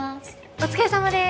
お疲れさまでーす。